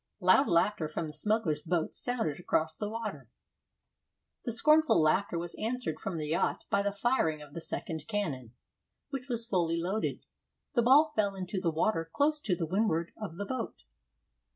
Loud laughter from the smugglers' boat sounded across the water. This scornful laughter was answered from the yacht by the firing of the second cannon, which was fully loaded. The ball fell into the water close to the windward of the boat.